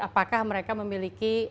apakah mereka memiliki